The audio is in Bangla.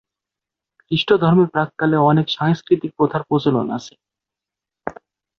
খ্রিস্টধর্মের প্রাক্কালে অনেক সাংস্কৃতিক প্রথার প্রচলন আছে।